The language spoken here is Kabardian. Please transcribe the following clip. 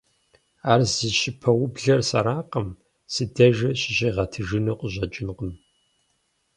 Ар зи щыпэублэр сэракъым, си дежи щыщигъэтыжыну къыщӀэкӀынкъым.